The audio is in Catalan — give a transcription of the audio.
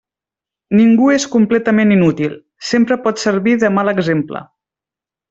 Ningú és completament inútil; sempre pot servir de mal exemple.